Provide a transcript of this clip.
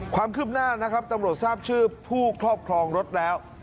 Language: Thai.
ความคืบหน้านะครับตำรวจทราบชื่อผู้ครอบครองรถแล้ว